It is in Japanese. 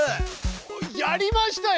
やりましたよ！